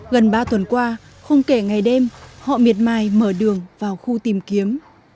gần ba tuần qua không kể ngày đêm họ miệt mài mở đường vào khu tìm kiếm